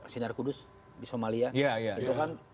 sinar kudus di somalia itu kan